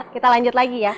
kita lanjut lagi ya